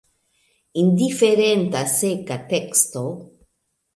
Indiferenta, seka teksto!